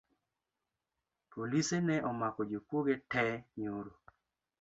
Polise ne omako jokwoge tee nyoro